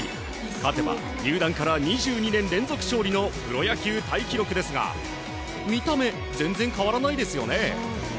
勝てば入団から２２年連続勝利のプロ野球タイ記録ですが見た目全然変わらないですよね？